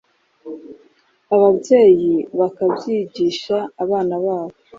ababyeyi bakabyigisha abana babo